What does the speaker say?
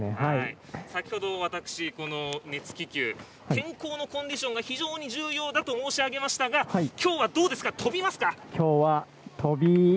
先ほど私、熱気球天候のコンディションが非常に重要だと申し上げましたがきょうはどうですか飛びますか？